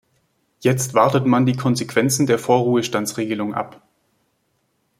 Jetzt wartet man die Konsequenzen der Vorruhestandsregelung ab.